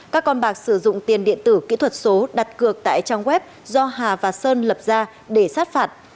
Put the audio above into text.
các con bạc sử dụng tiền điện tử kỹ thuật số đặt cược tại trang web do hà và sơn lập ra để sát phạt